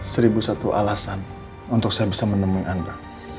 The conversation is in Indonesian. seribu satu alasan untuk saya bisa menemui anda